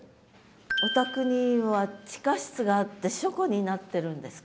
お宅には地下室があって書庫になってるんですか？